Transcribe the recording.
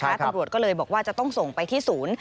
ตำรวจก็เลยบอกว่าจะต้องส่งไปที่ศูนย์